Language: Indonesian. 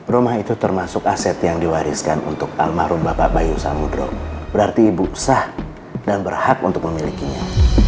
rumah itu termasuk aset yang diwariskan untuk almarhum bapak bayu samudro berarti ibu sah dan berhak untuk memilikinya